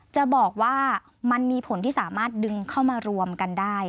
จะบอกว่ามันมีผลที่สามารถดึงเข้ามารวมกันได้